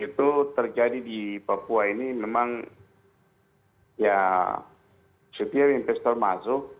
itu terjadi di papua ini memang ya setiap investor masuk